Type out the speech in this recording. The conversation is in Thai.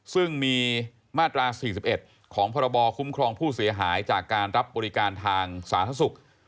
ซึ่งมีมาตรา๔๑ของพรบคุ้มครองผู้เสียหายจากการรับบริการทางสาธารณสุข